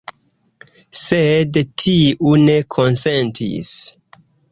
Sed tiu ne konsentis.